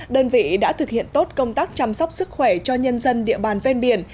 đơn vị đã thực hiện tốt công tác chăm sóc sức khỏe cho nhân dân địa bàn ven biển